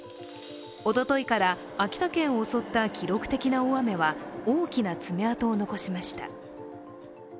おとといから秋田県を襲った記録的な大雨は大きなつめ跡を残しました。